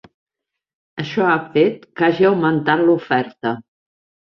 Això ha fet que hagi augmentat l’oferta.